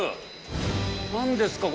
何ですか？